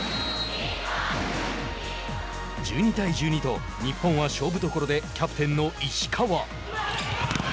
１２対１２と日本は勝負どころでキャプテンの石川。